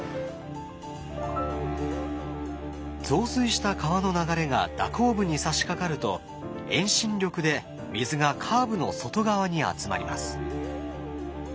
増水した川の流れが蛇行部にさしかかると遠心力で水がカーブの外側に集まります。